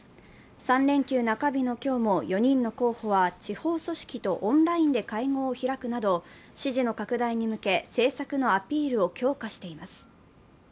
３連休中日の今日も４人の候補は地方組織とオンラインで会合を開くなど支持の拡大に向け、政策のアピールを強化しています。